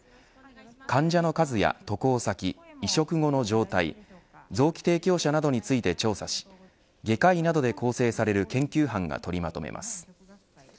患者の数や渡航先移植後の状態臓器提供者などについて調査し外科医などで構成される研究班が取りまとめます。